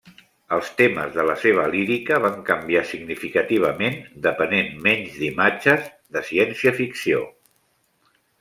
Els temes de la seva lírica van canviar significativament, depenent menys d'imatges de ciència-ficció.